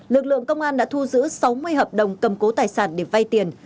lực lượng công an đã thu giữ sáu mươi hợp đồng cầm cố tài sản để vay tiền